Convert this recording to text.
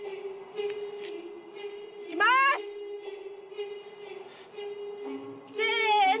いきます！せの。